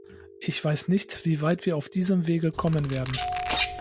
Ich weiß nicht, wie weit wir auf diesem Wege kommen werden.